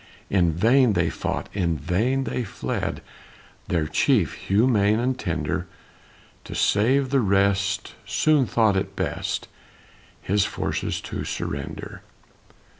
In vain they fought, in vain they fled; Their chief, humane and tender, To save the rest soon thought it best His forces to surrender.